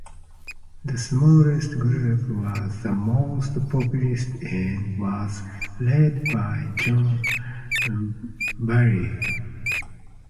The smallest group was the most populist and was led by John Bailey.